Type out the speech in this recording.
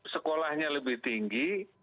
sekolahnya lebih tinggi